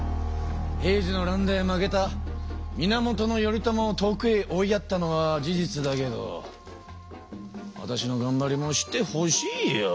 平治の乱で負けた源頼朝を遠くへ追いやったのは事実だけどわたしのがんばりも知ってほしいよ！